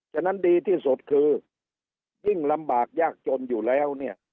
ฉะนั้นดีที่สุดคือยิ่งลำบากยากจนอยู่แล้วเนี่ย